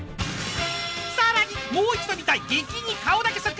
［さらにもう一度見たい］